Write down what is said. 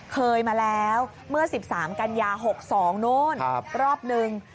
เคยมาแล้วเมื่อ๑๓กันยา๖๒โน้นรอบนึง